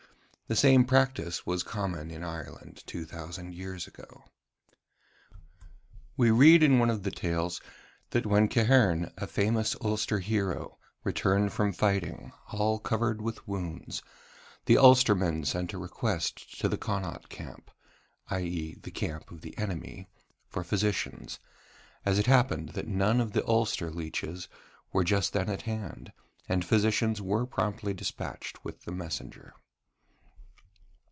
The same practice was common in Ireland two thousand years ago. We read in one of the Tales, that when Kehern, a famous Ulster hero, returned from fighting, all covered with wounds, the Ulstermen sent a request to the Connaught camp i.e., the camp of the enemy for physicians, as it happened that none of the Ulster leeches were just then at hand: and physicians were promptly despatched with the messenger.